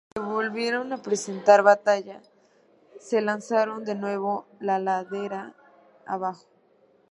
Se volvieron a presentar batalla, se lanzaron de nuevo ladera abajo.